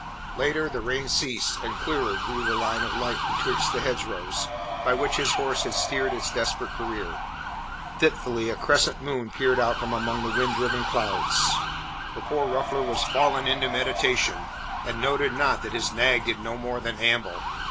Later the rain ceased, and clearer grew the line of light betwixt the hedgerows, by which his horse had steered its desperate career. Fitfully a crescent moon peered out from among the wind driven clouds. The poor ruffler was fallen into meditation, and noted not that his nag did no more than amble.